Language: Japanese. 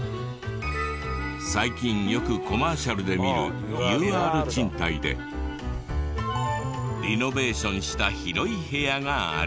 最近よくコマーシャルで見るＵＲ賃貸でリノベーションした広い部屋がある。